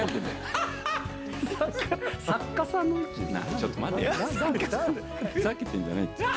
ちょっと待てよ